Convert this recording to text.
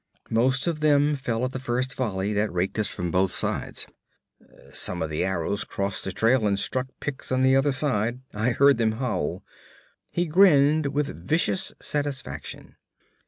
'Most of them fell at the first volley that raked us from both sides. Some of the arrows crossed the trail and struck Picts on the other side. I heard them howl.' He grinned with vicious satisfaction.